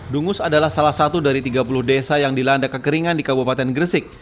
dungus adalah salah satu dari tiga puluh desa yang dilanda kekeringan di kabupaten gresik